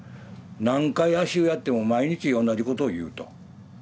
何回足湯やっても毎日同じことを言うと。